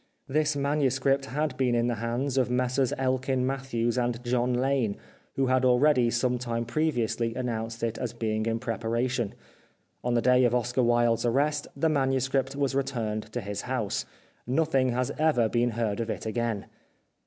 This manuscript had been in the hands of Messrs Elkin Mathews & John Lane, who had already some time previ ously announced it as being in preparation. On the day of Oscar Wilde's arrest, the manuscript was returned to his house. Nothing has ever been heard of it again.